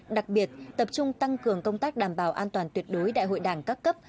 đặc biệt tập trung tăng cường công tác đảm bảo an toàn tuyệt đối đại hội đảng các cấp